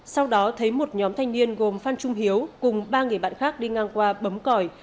sau đó thấy một nhóm thanh niên gồm phan trung hiếu cùng ba người bạn khác đi ngang qua bấm còi